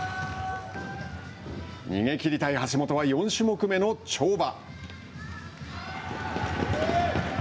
逃げきりたい橋本は、４種目目の跳馬。